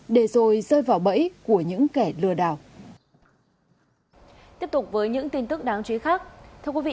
để rồi rơi vào bẫy của những kẻ lừa đảo